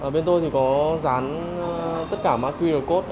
bên tôi có dán tất cả mạng qr code